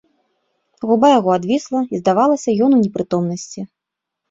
Губа яго адвісла, і здавалася, ён у непрытомнасці.